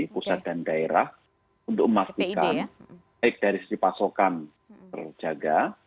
pusat dan daerah untuk memastikan baik dari sisi pasokan terjaga